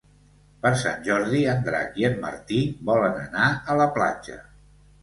Per Sant Jordi en Drac i en Martí volen anar a la platja.